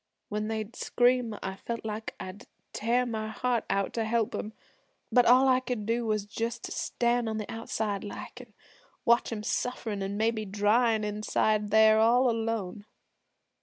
'When they'd scream, I felt like I'd tear my heart out to help 'em. But all I could do was just to stand on the outside like, an' watch 'em sufferin' an' maybe dryin' inside there all alone.